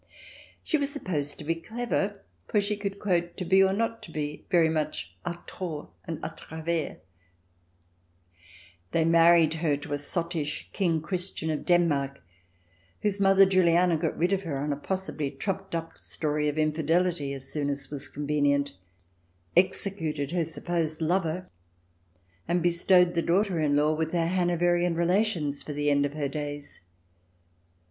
She was supposed to be clever, for she could quote " To be or not to be " very much a tort et a travers. They married her to a sottish King Christian of Sweden, whose mother Juliana got rid of her on a possibly trumped up story of infidelity as soon as was convenient. 248 THE DESIRABLE ALIEN [ch. xvii executed her supposed lover, and bestowed the daughter in law with her Hanoverian relations for the end of her days.